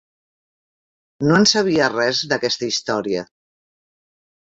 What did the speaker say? No en sabia res, d'aquesta història.